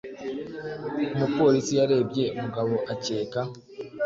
Umupolisi yarebye Mugabo akeka.